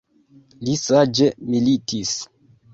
Li saĝe militis.